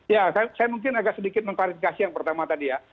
ya saya mungkin agak sedikit mengklarifikasi yang pertama tadi ya